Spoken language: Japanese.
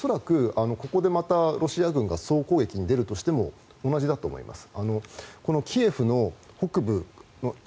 それは恐らくここでまたロシア軍が総攻撃に出るとしても同じだと思います。